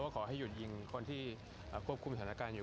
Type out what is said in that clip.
ขอให้หยุดยิงคนที่ควบคุมสถานการณ์อยู่